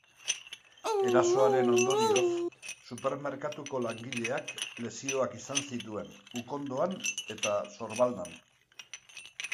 Erasoaren ondorioz, supermerkatuko langileak lesioak izan zituen ukondoan eta sorbaldan.